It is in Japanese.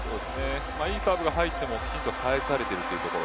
いいサーブが入ってもきちんと返されているというところ。